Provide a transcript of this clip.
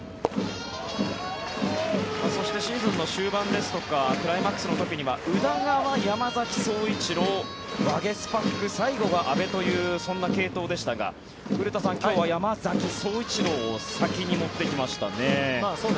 そしてシーズンの終盤ですとかクライマックスの時には宇田川、山崎颯一郎ワゲスパック最後が阿部というそんな継投でしたが古田さん、今日は山崎颯一郎を先に持ってきましたね。